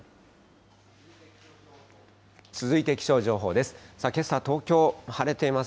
続いて気象情報です。